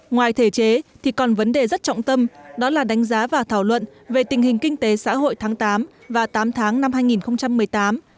ngoài thể chế thì còn vấn đề rất trọng tâm đó là đánh giá và thảo luận về tình hình kinh tế xã hội tháng tám và tám tháng năm hai nghìn một mươi tám